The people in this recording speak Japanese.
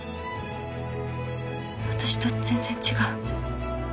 私と全然違う